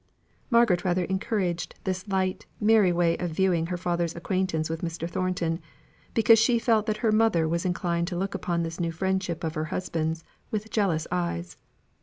Margaret rather encouraged this light, merry way of viewing her father's acquaintance with Mr. Thornton, because she felt that her mother was inclined to look upon this new friendship of her husband's with jealous eyes.